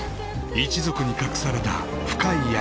［一族に隠された深い闇］